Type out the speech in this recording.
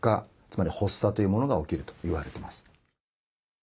つまり発作というものが起きるといわれてます。